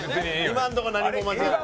今のとこ何も間違ってない。